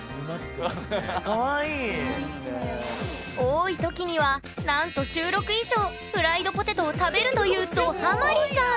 多いときにはなんと週６以上フライドポテトを食べるというどハマりさん